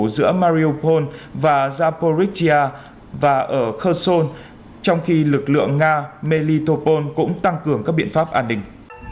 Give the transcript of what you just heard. giữa mariupol và zaporizhia và kherson trong khi lực lượng nga melitopol cũng tăng cường các biện pháp an ninh